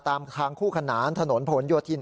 ตามทางคู่ขนานถนนผลโยธิน